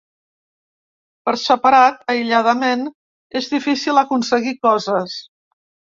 Per separat, aïlladament és difícil aconseguir coses.